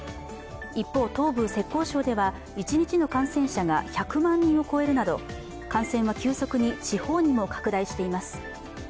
一方、東部・浙江省では一日の感染者が１００人任を超えるなど感染は急速に地方にも拡大しています。